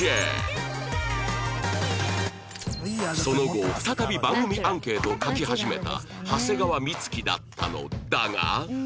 その後再び番組アンケートを書き始めた長谷川美月だったのだがが？